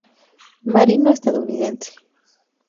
Marino estadounidense.